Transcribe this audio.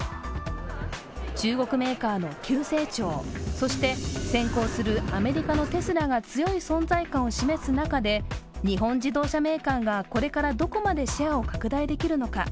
中国メーカーの急成長、そして先行するアメリカのテスラが強い存在感を示す中で日本自動車メーカーがこれからどこまでシェアを拡大できるのか。